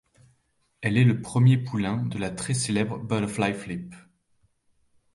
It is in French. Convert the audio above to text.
Elle est le premier poulain de la très célèbre Butterfly Flip.